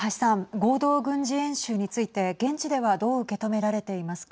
合同軍事演習について現地ではどう受け止められていますか。